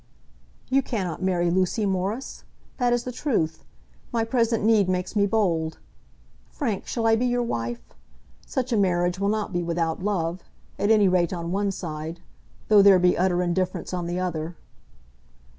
"You cannot marry Lucy Morris. That is the truth. My present need makes me bold. Frank, shall I be your wife? Such a marriage will not be without love, at any rate on one side, though there be utter indifference on the other!"